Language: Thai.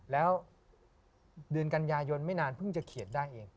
แล้วเดือนกันยายนไม่นานเพิ่งจะเขียนได้เอง